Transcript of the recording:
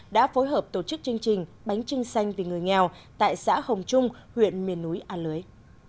đã phối hợp tổ chức chương trình bánh trưng xanh vì người nghèo tại xã hồng trung huyện miền núi a lưới